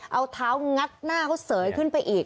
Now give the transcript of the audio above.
เอาเท้างัดหน้าเขาเสยขึ้นไปอีก